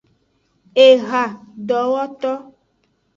Ehadowoto.